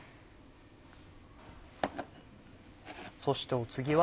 そしてお次は？